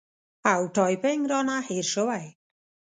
او ټایپینګ رانه هېر شوی